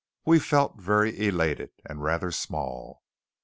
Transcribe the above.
We felt very elated and rather small.